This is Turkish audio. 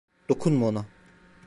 Dokunma ona!